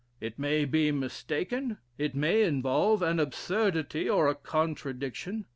It may be mistaken; it may involve an absurdity, or a contradiction.